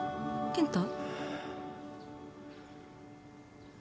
健太？